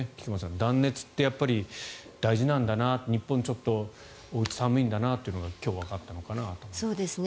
断熱って大事なんだな日本っておうち寒いんだなというのが今日わかったかなと。